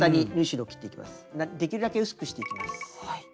できるだけ薄くしていきます。